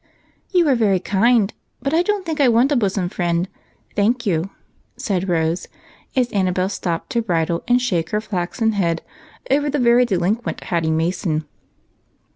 "You are very kind, but I don't think I want a bosom friend, thank you," said Rose, as Annabel stopped to bridle and shake her flaxen head over the delinquent Hatty Mason.